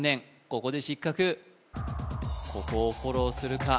ここで失格ここをフォローするか？